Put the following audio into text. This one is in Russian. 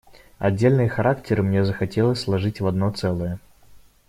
Отдельные характеры мне захотелось сложить в одно целое.